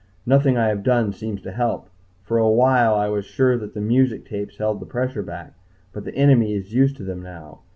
Nothing I have done seems to help. For a while I was sure that the music tapes held the pressure back, but the enemy is used to them now.